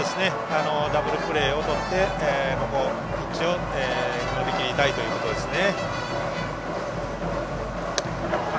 ダブルプレーをとってピンチを乗り切りたいというところですね。